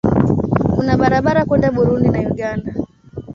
Kuna barabara kwenda Burundi na Uganda.